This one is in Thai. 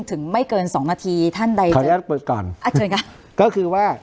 ถึงไม่เกินสองนาทีท่านใดขออนุญาตเปิดก่อนอ่ะเชิญค่ะก็คือว่า